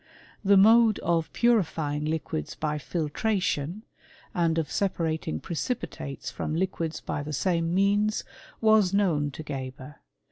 "^ The mode of punfying liquids by filtration, andjrfl. separating precipitates from liquids by the same metttlff was known to Geber.